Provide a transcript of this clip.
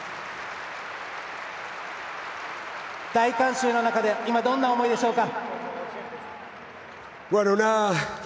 大観衆の中で今、どんな思いでしょうか。